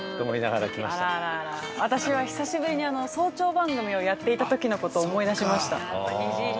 私は、久しぶりに早朝番組をやっていたときのことを思い出しました。